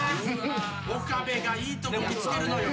岡部がいいとこ見つけるのよ。